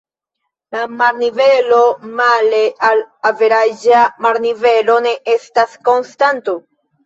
La marnivelo male al averaĝa marnivelo ne estas konstanto.